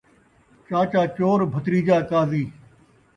چاچا چور بھتریجا قاضی